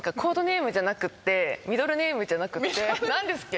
何ですっけ？